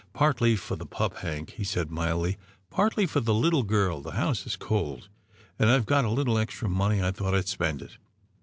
" Partly for the pup, Hank," he said mildly, " partly for the little girl. The house is cold, and Pve got a little extra money. I thought I'd spend it."